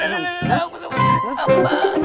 tidak tidak tidak